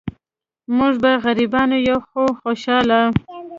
مونږ به غریبان یو خو خوشحاله.